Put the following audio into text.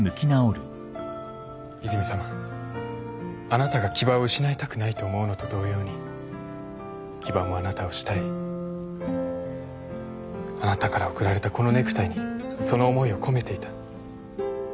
あなたが木場を失いたくないと思うのと同様に木場もあなたを慕いあなたから贈られたこのネクタイにその思いを込めていた。